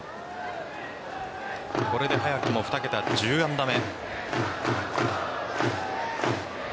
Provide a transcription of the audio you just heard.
これで早くも２桁１０安打目。